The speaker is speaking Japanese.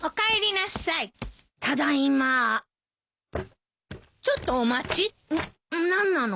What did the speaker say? な何なの？